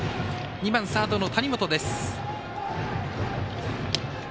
２番、サードの谷本です。